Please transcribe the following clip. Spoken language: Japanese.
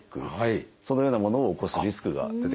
そのようなものを起こすリスクが出てきちゃうんですね。